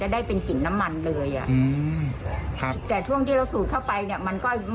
จะได้เป็นกลิ่นน้ำมันเลยอ่ะแต่ช่วงที่เราสูดเข้าไปเนี่ย